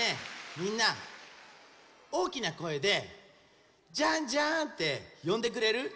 みんなおおきなこえで「ジャンジャン」ってよんでくれる？